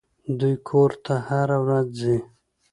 دوى کور ته هره ورځ ځي.